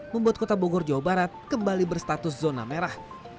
membuat kota bogor jawa barat kembali berstatus zona merah